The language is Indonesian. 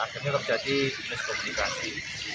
akhirnya terjadi miskomunikasi